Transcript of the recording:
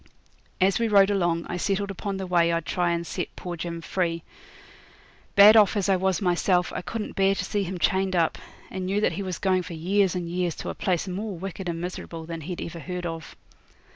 As we rode along I settled upon the way I'd try and set poor Jim free. Bad off as I was myself I couldn't bear to see him chained up, and knew that he was going for years and years to a place more wicked and miserable than he'd ever heard of.